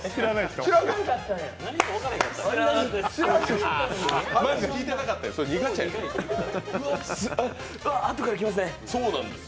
知らなかったです。